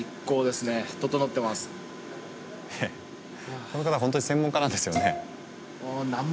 えっこの方ホントに専門家なんですよね？